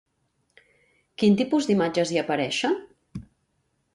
Quin tipus d'imatges hi apareixen?